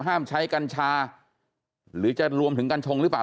ห้ามใช้กัญชาหรือจะรวมถึงกัญชงหรือเปล่า